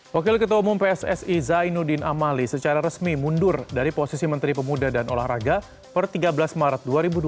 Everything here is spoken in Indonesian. wakil ketua umum pssi zainuddin amali secara resmi mundur dari posisi menteri pemuda dan olahraga per tiga belas maret dua ribu dua puluh